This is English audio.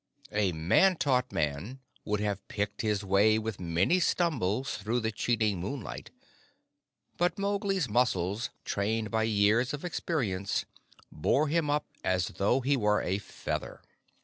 A man taught man would have picked his way with many stumbles through the cheating moonlight, but Mowgli's muscles, trained by years of experience, bore him up as though he were a feather.